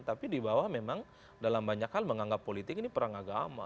tapi di bawah memang dalam banyak hal menganggap politik ini perang agama